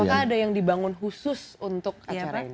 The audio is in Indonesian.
apakah ada yang dibangun khusus untuk acara